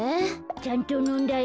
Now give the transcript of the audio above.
ちゃんとのんだよ。